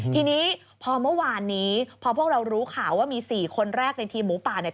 ทีนี้พอเมื่อวานนี้พอพวกเรารู้ข่าวว่ามี๔คนแรกในทีมหมูป่าเนี่ย